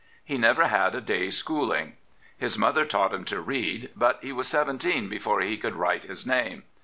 He never had a day's schooling. His mother taught him to read, but he was seventeen before he could write his name.